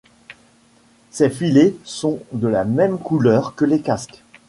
Ces filets sont de la même couleur que les casques.